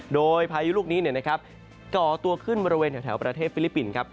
โดยพายุลูกนี้ก่อตัวขึ้นบริเวณแถวประเทศฟิลิปปินส์ครับ